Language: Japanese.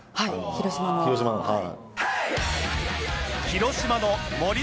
広島のはい。